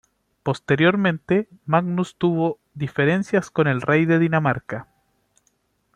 Posteriormente, Magnus tuvo diferencias con el rey de Dinamarca.